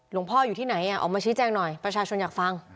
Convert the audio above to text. หลวงพ่ออยู่ที่ไหนออกมาชี้แจงหน่อยประชาชนอยากฟัง